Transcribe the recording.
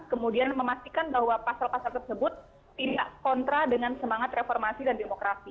kemudian memastikan bahwa pasal pasal tersebut tidak kontra dengan semangat reformasi dan demokrasi